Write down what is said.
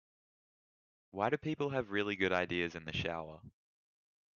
Why do people have really good ideas in the shower?